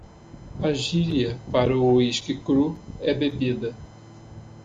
A gíria para o uísque cru é bebida.